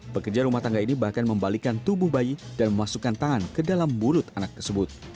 pekerja rumah tangga ini bahkan membalikan tubuh bayi dan memasukkan tangan ke dalam mulut anak tersebut